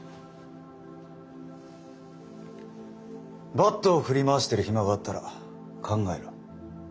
バットを振り回してる暇があったら考えろ。